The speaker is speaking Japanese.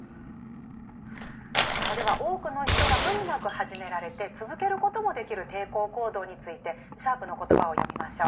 さあでは多くの人が無理なく始められて続けることもできる抵抗行動についてシャープの言葉を読みましょう。